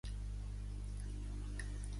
Pertany a la Reial Acadèmia de la Història.